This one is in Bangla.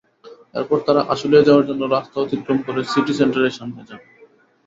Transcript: এরপর তাঁরা আশুলিয়া যাওয়ার জন্য রাস্তা অতিক্রম করে সিটি সেন্টারের সামনে যান।